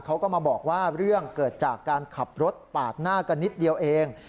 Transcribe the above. เขาก็มาบอกว่าเรื่องเกิดจากการขับรถปาดหน้ากันนิดเดียวเอง